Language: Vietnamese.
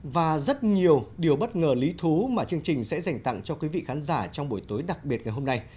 và rất nhiều điều bất ngờ lý thú mà chương trình sẽ dành tặng cho quý vị khán giả trong buổi tối đặc biệt ngày hôm nay